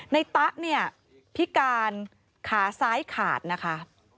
ตะเนี่ยพิการขาซ้ายขาดนะคะ